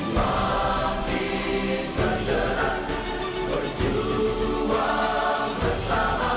mati bergerak berjuang bersama